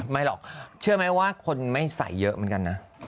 ไม่หรอกเชื่อไหมว่าคนไม่ใส่เยอะเหมือนกันนะ